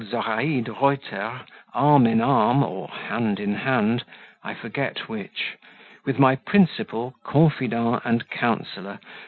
Zoraide Reuter, arm in arm, or hand in hand (I forget which) with my principal, confidant, and counsellor, M.